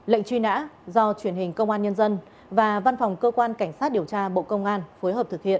lệnh truy nã do truyền hình công an nhân dân và văn phòng cơ quan cảnh sát điều tra bộ công an phối hợp thực hiện